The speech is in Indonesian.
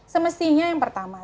semestinya yang pertama